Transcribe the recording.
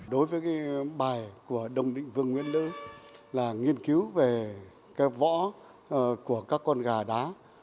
đối với bài của đồng định vương nguyễn lưu là nghiên cứu về cái võ của các con gà đá